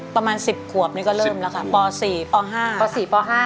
ประมาณ๑๐ขวบนี่ก็เริ่มแล้วค่ะป๔ป๕ป๔ป๕